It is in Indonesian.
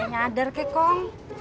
sadar kek kong